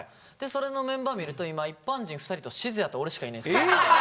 それのメンバー見ると今一般人２人と閑也と俺しかいないっす。